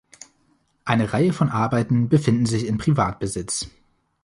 Eine Reihe von Arbeiten befinden sich in Privatbesitz.